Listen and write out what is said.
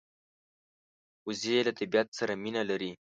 وزې له طبیعت سره مینه لري